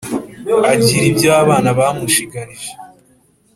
agira ibyo abana bamushigarije